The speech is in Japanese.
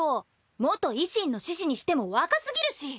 元維新の志士にしても若すぎるし。